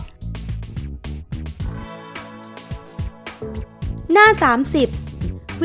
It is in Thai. จุดที่๓รวมภาพธนบัตรที่๙